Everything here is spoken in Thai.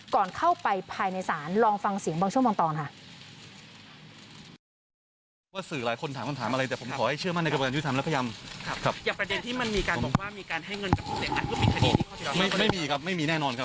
ก่อนเข้าไปภายในศาลลองฟังเสียงบางช่วงบางตอนค่ะ